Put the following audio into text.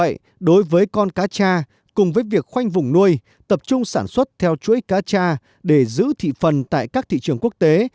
ngoài ra cùng với việc khoanh vùng nuôi tập trung sản xuất theo chuối cá cha để giữ thị phần tại các thị trường quốc tế